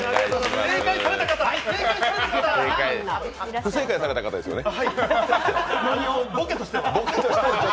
不正解された方ですよね？